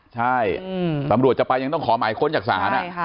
ใช่อืมสำรวจจะไปยังต้องขอหมายค้นจักษานะใช่ค่ะ